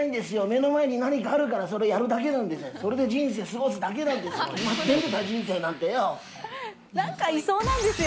目の前に何かあるから、それやるだけなんですよ、それで人生を過ごすだけなんです。